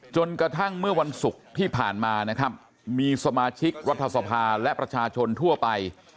จนกระทั่งเมื่อวันศุกร์ที่ผ่านมานะครับมีสมาชิกรัฐสภาและประชาชนทั่วไป